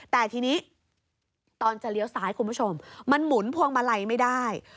แต่ทีนี้ตอนจะเลี้ยวซ้ายคุณผู้ชมมันหมุนพวงมาลัยไม่ได้